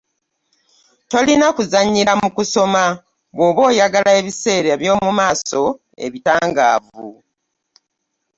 Tolina kuzannyira mu kusoma bw'oba oyagala ebiseera by'omu maaso ebitangaavu.